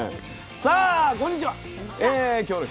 さあこんにちは。